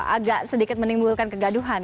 agak sedikit menimbulkan kegaduhan